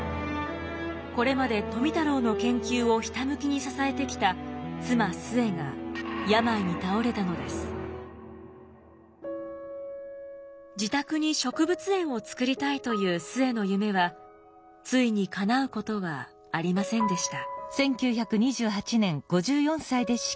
これまで富太郎の研究をひたむきに支えてきた妻壽衛が自宅に植物園を作りたいという壽衛の夢はついにかなうことはありませんでした。